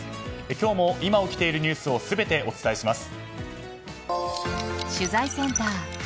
今日も今起きているニュースを全てお伝えします。